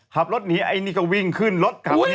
ขับรถหนีไอ้นี่ก็วิ่งขึ้นรถกลับ